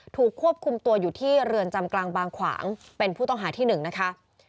ถูกควบคุมตัวอยู่ที่เรือนจำกลางบางขวางเป็นผู้ต้องหาที่๑นะคะ